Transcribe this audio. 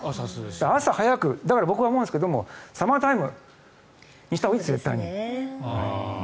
朝早く、僕は思うんですがサマータイムにしたほうがいいですよ、絶対に。